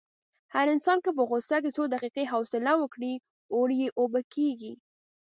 هر انسان که په غوسه کې څو دقیقې حوصله وکړي، اور یې اوبه کېږي.